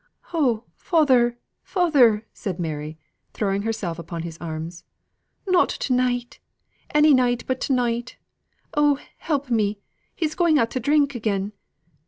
"Oh, father, father!" said Mary, throwing herself upon his arm, "not to night! Any night but to night. Oh, help me! he's going out to drink again!